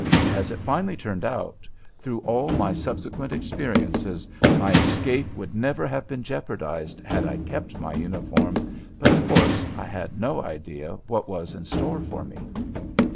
As it finally turned out, through all my subsequent experiences my escape would never have been jeopardized had I kept my uniform, but, of course, I had no idea what was in store for me.